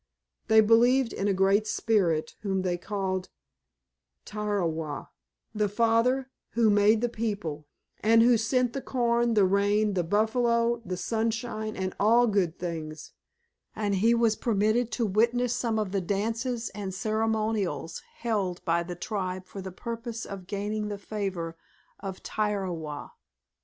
They believed in a Great Spirit, whom they called "Tirawa," the Father, who made the people, and who sent the corn, the rain, the buffalo, the sunshine, and all good things, and he was permitted to witness some of the dances and ceremonials held by the tribe for the purpose of gaining the favor of Tirawa.